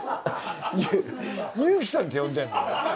祐希さんって呼んでんの？